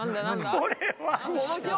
これは。